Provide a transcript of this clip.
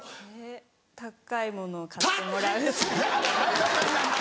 高っかいものを買ってもらう。